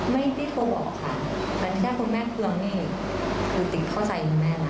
ไม่ได้โทรบอกค่ะแต่แค่คุณแม่เคืองนี่คือติ่งเข้าใจคุณแม่นะ